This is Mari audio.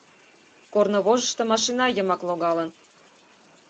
— Корнывожышто машина йымак логалын.